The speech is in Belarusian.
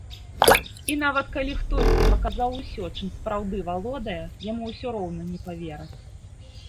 І нават калі хтосьці паказаў усё, чым сапраўды валодае, яму ўсё роўна не павераць.